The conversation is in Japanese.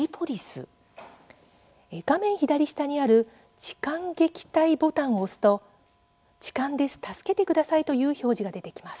画面左下にある痴漢撃退ボタンを押すと「痴漢です助けてください」という表示が出てきます。